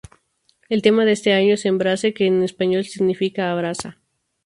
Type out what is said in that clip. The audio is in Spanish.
El tema de este año es "Embrace", que en español significa ""Abraza"".